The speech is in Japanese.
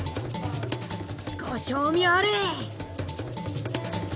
ご賞味あれぃ！